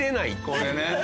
これね。